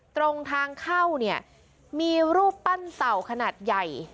ตรงทางเข้าเนี่ยมีรูปปั้นเต่าขนาดใหญ่